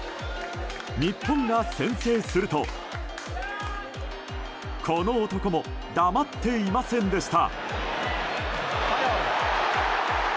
日本が先制するとこの男も黙っていませんでした。